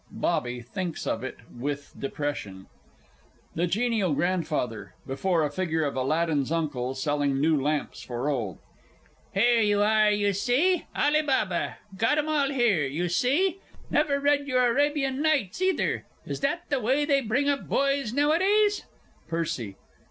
[BOBBY thinks of it, with depression. THE G. G. (before figure of Aladdin's Uncle selling new lamps for old). Here you are, you see! "Ali Baba," got 'em all here, you see. Never read your Arabian Nights, either! Is that the way they bring up boys nowadays! PERCY.